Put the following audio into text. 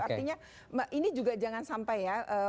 artinya ini juga jangan sampai ya